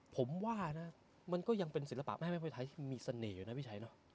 ผมว่านะมันก็ยังเป็นศิลปะแม่ไม้มวยไทยที่มีเสน่ห์อยู่นะพี่ชัยเนอะ